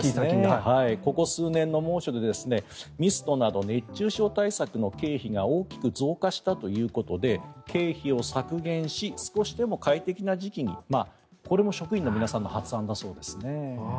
ここ数年の猛暑でミストなど熱中症対策の経費が大きく増加したということで経費を削減し少しでも快適な時期にこれも職員の皆さんの発案だそうですね。